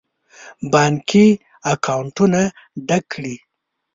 بانکي اکاونټونه ډک کړي.